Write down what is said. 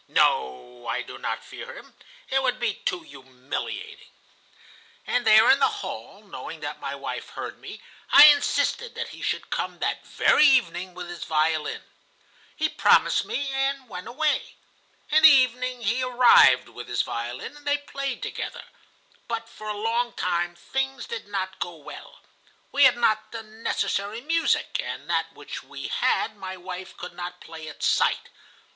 No, I do not fear him. It would be too humiliating!' "And there in the hall, knowing that my wife heard me, I insisted that he should come that very evening with his violin. He promised me, and went away. In the evening he arrived with his violin, and they played together. But for a long time things did not go well; we had not the necessary music, and that which we had my wife could not play at sight.